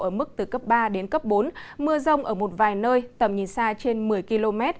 ở mức từ cấp ba đến cấp bốn mưa rông ở một vài nơi tầm nhìn xa trên một mươi km